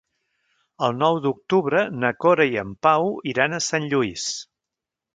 El nou d'octubre na Cora i en Pau iran a Sant Lluís.